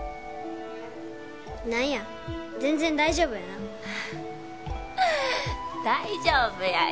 何や全然大丈夫やな大丈夫やよ